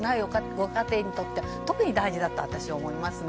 ご家庭にとっては特に大事だと私は思いますね。